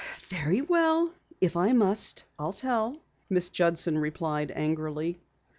"Very well, if I must, I'll tell," Miss Judson replied angrily.